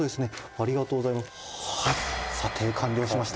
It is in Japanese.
「ありがとうございます。